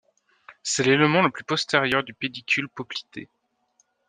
C'est l'élément le plus postérieur du pédicule poplité.